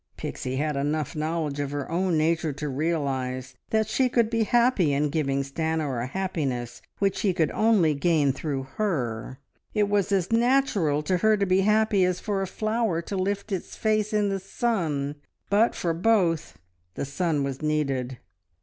Pixie had enough knowledge of her own nature to realise that she could be happy in giving Stanor a happiness which he could only gain through her. It was as natural to her to be happy as for a flower to lift its face in the sun, but for both the sun was needed.